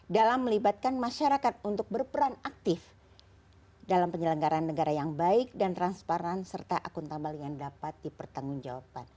dalam melibatkan masyarakat untuk berperan aktif dalam penyelenggaran negara yang baik dan transparan serta akuntabel yang dapat dipertanggungjawabkan